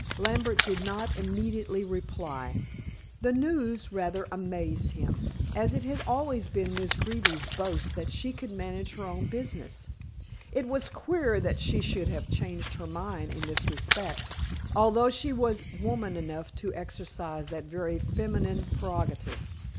Lambert did not immediately reply. The news rather amazed him, as it had always been Miss Greeby's boast that she could manage her own business. It was queer that she should have changed her mind in this respect, although she was woman enough to exercise that very feminine prerogative.